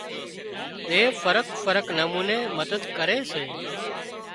زي فرق فرق نموني مدد ڪري سي